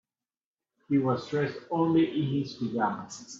He was dressed only in his pajamas.